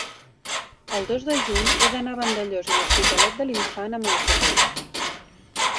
el dos de juny he d'anar a Vandellòs i l'Hospitalet de l'Infant amb autobús.